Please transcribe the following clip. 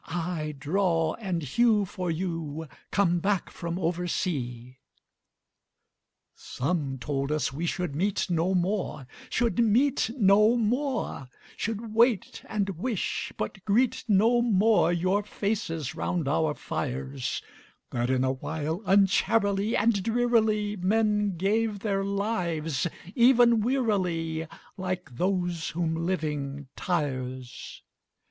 —aye, draw and hew for you, Come back from oversea." III Some told us we should meet no more, Should meet no more; Should wait, and wish, but greet no more Your faces round our fires; That, in a while, uncharily And drearily Men gave their lives—even wearily, Like those whom living tires.